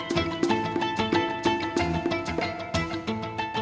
tau amat deh tau ah